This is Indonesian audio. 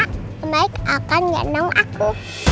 sembaik akan nyenong aku